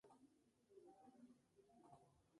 Candidato a los premios Óscar y Globo de Oro.